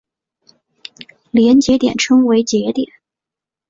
连接点称为节点。